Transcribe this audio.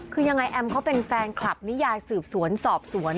คือยังไงแอมเขาเป็นแฟนคลับนิยายสืบสวนสอบสวน